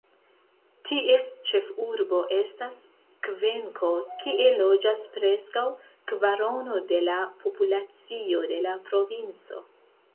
Ties ĉefurbo estas Kvenko, kie loĝas preskaŭ kvarono de la populacio de la provinco.